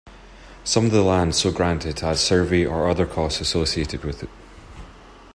Some of the land so granted had survey or other costs associated with it.